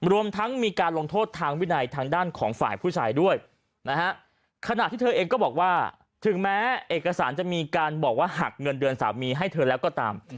รวมทั้งมีการลงโทษทางวินัยทางด้านของฝ่ายผู้ชายด้วยนะฮะขณะที่เธอเองก็บอกว่าถึงแม้เอกสารจะมีการบอกว่าหักเงินเดือนสามีให้เธอแล้วก็ตาม